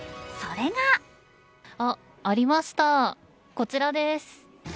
それがあ、ありました、こちらです。